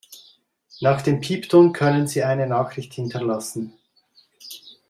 Nach dem Piepton können Sie eine Nachricht hinterlassen.